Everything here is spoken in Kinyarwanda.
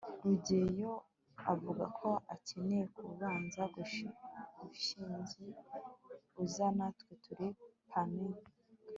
rugeyo avuga ko akeneye kubaza gashinzi uza natwe kuri picnic